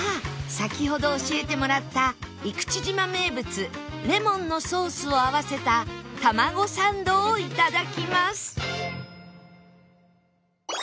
先ほど教えてもらった生口島名物レモンのソースを合わせたタマゴサンドを頂きます